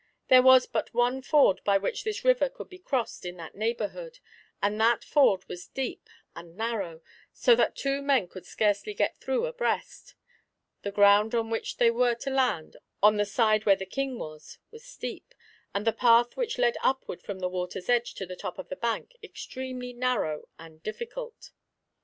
There was but one ford by which this river could be crossed in that neighbourhood, and that ford was deep and narrow, so that two men could scarcely get through abreast; the ground on which they were to land, on the side where the King was, was steep, and the path which led upward from the water's edge to the top of the bank, extremely narrow and difficult.